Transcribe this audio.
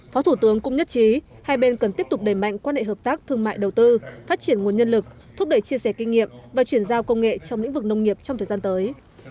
phó thủ tướng cũng nhất trí hai bên cần tiếp tục đẩy mạnh quan hệ hợp tác thương mại đầu tư phát triển nguồn nhân lực thúc đẩy chia sẻ kinh nghiệm và chuyển giao công nghệ trong lĩnh vực nông nghiệp trong thời gian tới